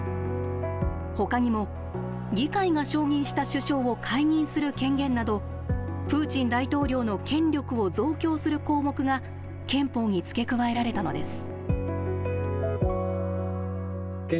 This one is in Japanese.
ほかにも議会が承認した首相を解任する権限など、プーチン大統領の権力を増強する項目が、憲法に付け加えられたのです。